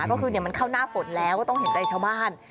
ก็คือมันเข้าหน้าฝนแล้วก็ต้องเห็นใจชาวบ้าน